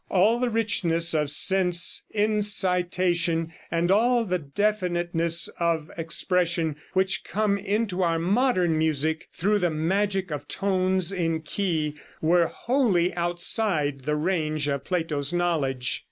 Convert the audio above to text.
All the richness of sense incitation, and all the definiteness of expression which come into our modern music through the magic of "tones in key," were wholly outside the range of Plato's knowledge.